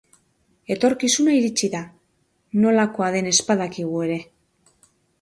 Etorkizuna iritsi da, nolakoa den ez badakigu ere.